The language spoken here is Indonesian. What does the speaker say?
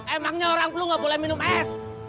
emangnya orang flu nggak boleh minum es